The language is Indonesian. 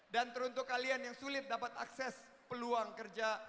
dan teruntuk kalian yang sulit dapat akses peluang kerja